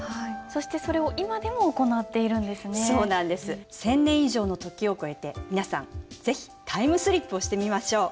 １，０００年以上の時を超えて皆さん是非タイムスリップをしてみましょう。